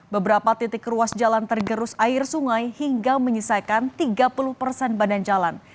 beberapa titik ruas jalan tergerus air sungai hingga menyelesaikan tiga puluh persen badan jalan